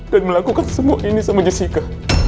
dan melakukan semua ini sama jessica